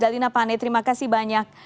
dalina pane terima kasih banyak